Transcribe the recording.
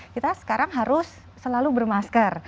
kita sekarang harus selalu bermasker